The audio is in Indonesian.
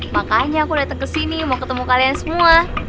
makanya aku dateng kesini mau ketemu kalian semua